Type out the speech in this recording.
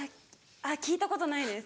聞いたことないです。